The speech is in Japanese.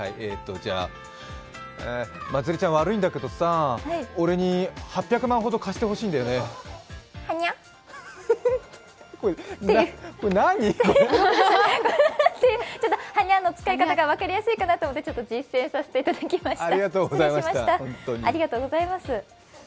じゃあまつりちゃん、悪いんだけどさ、俺に８００万ほど貸してほしいんだけどね。はにゃ？はにゃ？の使い方が分かりやすいかなと思ってちょっと実践させていただきました。